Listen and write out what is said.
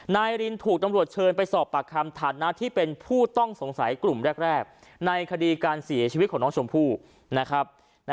นายรินถูกตำรวจเชิญไปสอบปากคำฐานะที่เป็นผู้ต้องสงสัยกลุ่มแรกในคดีการเสียชีวิตของน้องชมพู่นะครับ